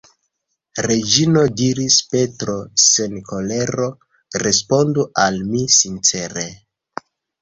Reĝino, diris Petro sen kolero, respondu al mi sincere.